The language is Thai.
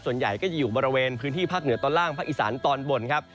ส่วนใหญ่ก็จะอยู่บริเวณพื้นที่ภาคเหนือตอนล่างภาคอีสานตอนบนครับ